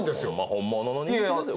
本物の人気ですよ